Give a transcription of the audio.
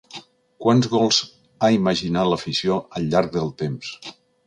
Quants gols ha imaginat l’afició al llarg del temps!